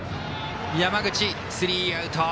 山口とって、スリーアウト。